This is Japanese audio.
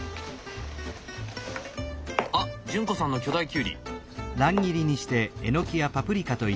あっ潤子さんの巨大きゅうり。